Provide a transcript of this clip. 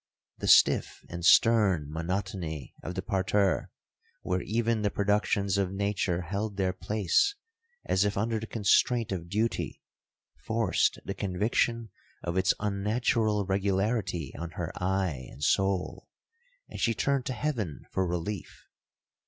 The stiff and stern monotony of the parterre, where even the productions of nature held their place as if under the constraint of duty, forced the conviction of its unnatural regularity on her eye and soul, and she turned to heaven for relief.